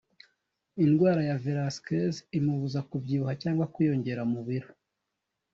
Indwara ya Velasquez imubuza kubyibuha cyangwa kwiyongera mu biro